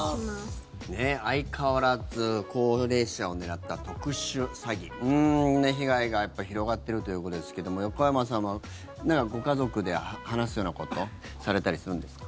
相変わらず高齢者を狙った特殊詐欺被害が広がっているということですけど横山さんもご家族で話すようなことされたりするんですか？